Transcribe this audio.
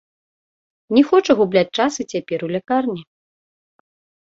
Не хоча губляць час і цяпер, у лякарні.